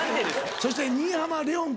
そして新浜レオン君。